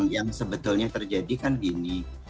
yang sebetulnya terjadi kan gini